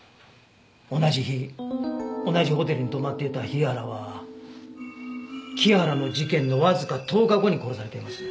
同じ日同じホテルに泊まっていた日原は木原の事件のわずか１０日後に殺されています。